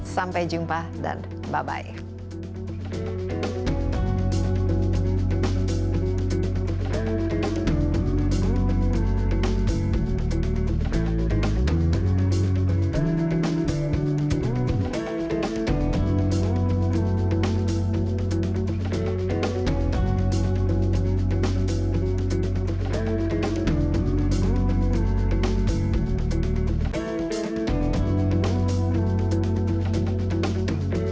sampai jumpa dan berjumpa